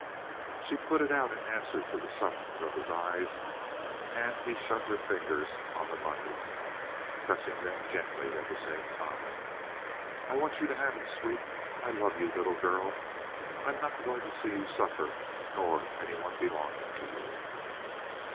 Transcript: She put it out in answer to the summons of his eyes, and he shut her fingers on the money, pressing them gently at the same time. "I want you to have it, sweet. I love you, little girl. I'm not going to see you suffer, nor any one belonging to you."